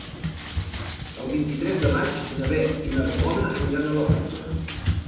El vint-i-tres de maig na Bet i na Ramona aniran a la platja.